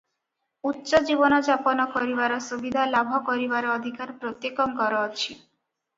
ଉଚ୍ଚ ଜୀବନଯାପନ କରିବାର ସୁବିଧା ଲାଭ କରିବାର ଅଧିକାର ପ୍ରତ୍ୟେକଙ୍କର ଅଛି ।